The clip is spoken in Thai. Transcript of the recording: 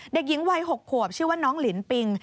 เด็กหญิงวัย๖ขวบชื่อว่าน้องลินปิง